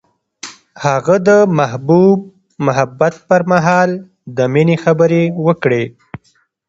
هغه د محبوب محبت پر مهال د مینې خبرې وکړې.